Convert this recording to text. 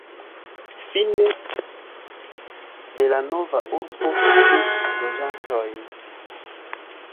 Fine de la nova urbo havis loĝantojn.